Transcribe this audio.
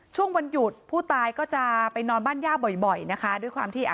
ช่วงวันหยุดผู้ตายก็จะไปนอนบ้านย่าบ่อยนะคะด้วยความที่อ่ะ